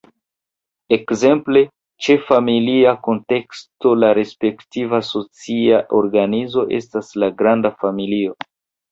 Ekzemple, ĉe familia kunteksto la respektiva socia organizo estas la granda familio.